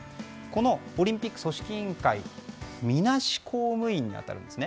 このオリンピック組織委員会はみなし公務員に当たるんです。